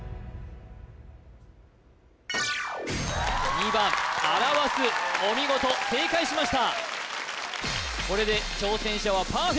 ２番あらわすお見事正解しました